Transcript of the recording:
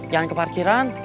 jangan ke parkiran